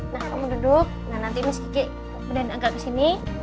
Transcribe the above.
nah kamu duduk nanti miss kiki mudah mudahan angkat kesini